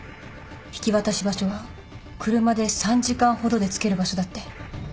引き渡し場所は車で３時間ほどで着ける場所だって。